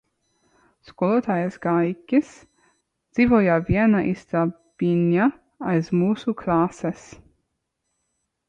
Skolotājs Gaiķis dzīvoja vienā istabiņā aiz mūsu klases.